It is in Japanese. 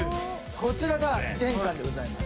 こちらが玄関でございます。